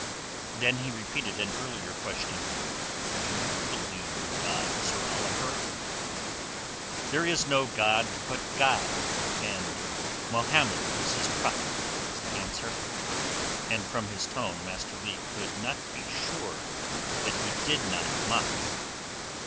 Then he repeated an earlier question. "Do you believe in God, Sir Oliver?" "There is no God but God, and Mohammed is his Prophet," was the answer, and from his tone Master Leigh could not be sure that he did not mock.